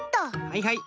はいはい。